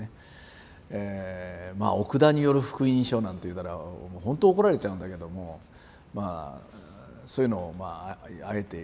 まあ奥田による福音書なんて言うたらほんと怒られちゃうんだけどもまあそういうのまああえて言うんですね